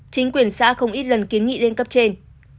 chính quyền xã không ít lần kiến nghị lên cấp trên